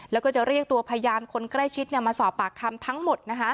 แล้วก็จะเรียกตัวพยานคนใกล้ชิดมาสอบปากคำทั้งหมด